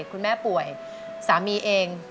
คุณแม่ป่วยสามีเอง